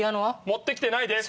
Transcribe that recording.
持って来てないです。